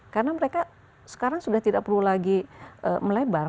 karena mereka sekarang sudah tidak perlu lagi melebar